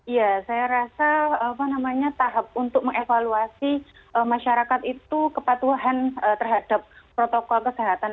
ya saya rasa tahap untuk mengevaluasi masyarakat itu kepatuhan terhadap protokol kesehatan